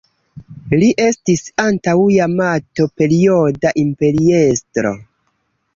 Li estis Antaŭ-Jamato-Perioda imperiestro.